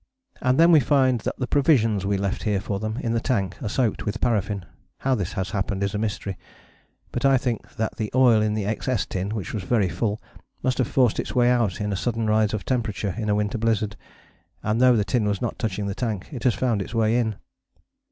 And then we find that the provisions we left here for them in the tank are soaked with paraffin. How this has happened is a mystery, but I think that the oil in the XS tin, which was very full, must have forced its way out in a sudden rise of temperature in a winter blizzard, and though the tin was not touching the tank, it has found its way in.